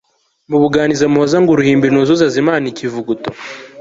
Mubuganiza muhoza Ngo uruhimbi nuzuze Azimane ikivuguto